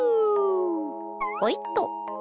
ほいっと！